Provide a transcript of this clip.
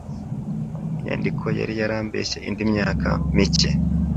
Inyandiko yari yarambeshye indi myaka mike